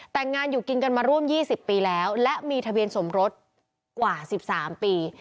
แต่งงานอยู่กินกันมาร่วม๒๐ปีแล้วและมีทะเบียนสมรสกว่า๑๓ปี